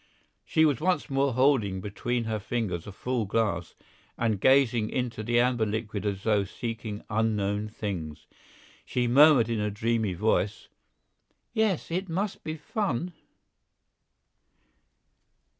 She was once more holding between her fingers a full glass, and gazing into the amber liquid as though seeking unknown things. She murmured in a dreamy voice: "Yes, it must be fun!"